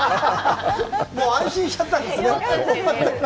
安心しちゃったんですね。